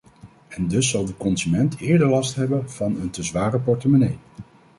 En dus zal de consument eerder last hebben van een te zware portemonnee.